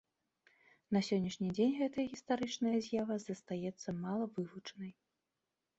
На сённяшні дзень гэтая гістарычная з'ява застаецца мала вывучанай.